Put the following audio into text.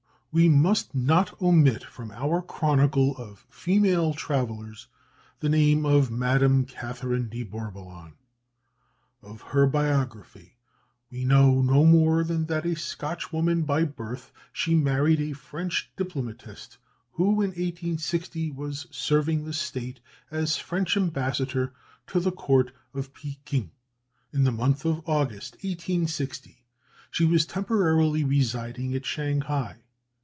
We must not omit from our chronicle of female travellers the name of Madame Catherine de Bourboulon. Of her biography we know no more than that, a Scotchwoman by birth, she married a French diplomatist, who, in 1860, was serving the State as French ambassador to the Court of Pekin. In the month of August, 1860, she was temporarily residing at Shanghai.